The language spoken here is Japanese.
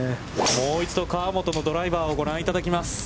もう一度河本のドライバーをご覧いただきます。